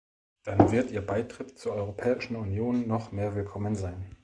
Dann wird ihr Beitritt zur Europäischen Union noch mehr willkommen sein.